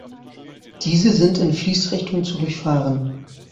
Diese sind in Fließrichtung zu durchfahren.